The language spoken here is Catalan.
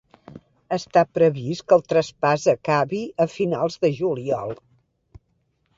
Està previst que el traspàs acabi a finals de juliol.